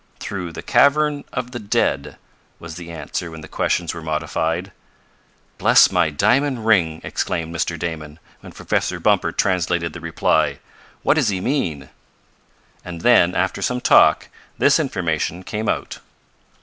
"Through the cavern of the dead," was the answer when the questions were modified. "Bless my diamond ring!" exclaimed Mr. Damon, when Professor Bumper translated the reply. "What does he mean?" And then, after some talk, this information came out.